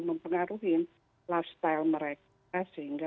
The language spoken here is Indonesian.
mempengaruhi lifestyle mereka sehingga